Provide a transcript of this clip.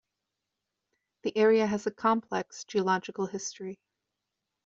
The area has a complex geological history.